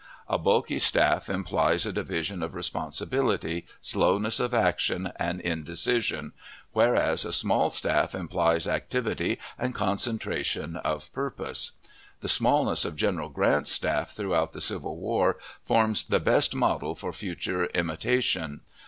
A bulky staff implies a division of responsibility, slowness of action, and indecision, whereas a small staff implies activity and concentration of purpose. The smallness of General Grant's staff throughout the civil war forms the best model for future imitation.